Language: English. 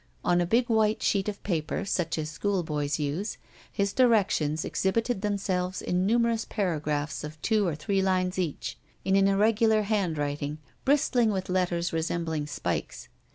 On a big white sheet of paper such as schoolboys use, his directions exhibited themselves in numerous paragraphs of two or three lines each, in an irregular handwriting, bristling with letters resembling spikes.